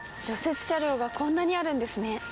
雪車両がこんなにあるんですね。